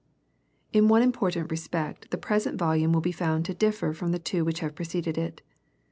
In one important respect the present volume will be tbund to differ from the two which have preceded it.